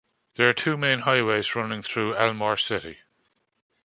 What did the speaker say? There are two main highways running through Elmore City.